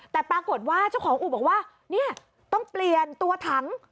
แต่ปรากฏว่าเจ้าของอู่บอกว่าเนี่ยต้องเปลี่ยนตัวถัง